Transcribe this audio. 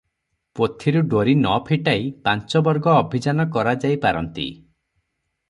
ପୋଥିରୁ ଡୋରି ନ ଫିଟାଇ ପାଞ୍ଚ ବର୍ଗ ଅଭିଯାନ କରାଯାଇପାରନ୍ତି ।